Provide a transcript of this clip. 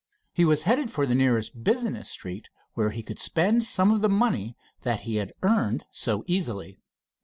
He was headed for the nearest business street, where he could spend some of the money that he had earned so easily.